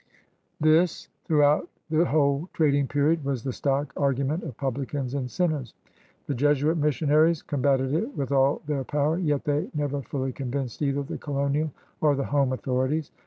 This, throughout the whole trading period, was the stock argument of publicans and sinners. The Jesuit missionaries combated it with all their power; yet they never fully convinced either the colonial or the home authorities.